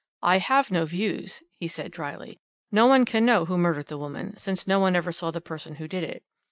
"I have no views," he said dryly. "No one can know who murdered the woman, since no one ever saw the person who did it.